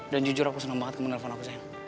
dan jujur aku seneng banget kamu nelfon aku sayang